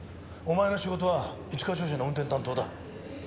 お前の仕事は一課長車の運転担当だ。